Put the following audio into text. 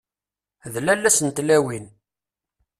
D lalla-s n tlawin!